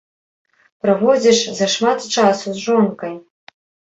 Праводзіш зашмат часу з жонкай?